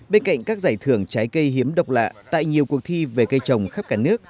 bên cạnh các giải thưởng trái cây hiếm độc lạ tại nhiều cuộc thi về cây trồng khắp cả nước